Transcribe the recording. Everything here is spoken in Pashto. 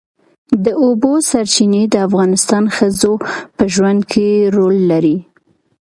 د اوبو سرچینې د افغان ښځو په ژوند کې رول لري.